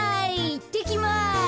いってきます。